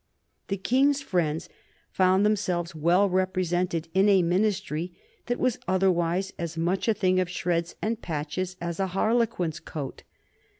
The King's friends found themselves well represented in a Ministry that was otherwise as much a thing of shreds and patches as a harlequin's coat.